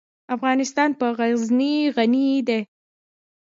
افغانستان په غزني غني دی.